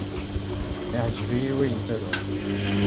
Iɛjeb-iyi wayen ttaruɣ.